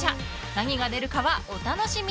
何が出るかはお楽しみ。